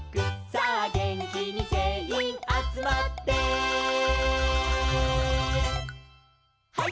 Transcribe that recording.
「さあげんきにぜんいんあつまって」「ハイ！